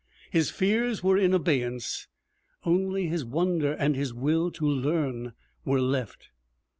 His fears were in abeyance. Only his wonder and his will to learn were left.